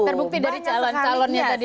terbukti dari calon calonnya tadi